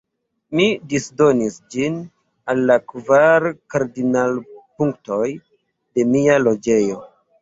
Mi disdonis ĝin al la kvar kardinalpunktoj de mia loĝejo.